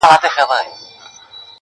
ورځ په خلوت کي تېروي چي تیاره وغوړېږي٫